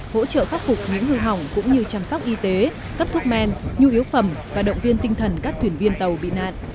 hỗ trợ khắc phục những hư hỏng cũng như chăm sóc y tế cấp thuốc men nhu yếu phẩm và động viên tinh thần các thuyền viên tàu bị nạn